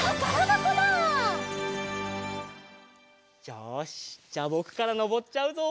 よしじゃあぼくからのぼっちゃうぞ！